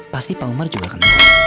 pasti pak umar juga kenal